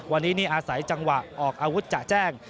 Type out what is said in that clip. วันนี้นี่อาศัยจังหวะออกอาวุธจะแจ้ง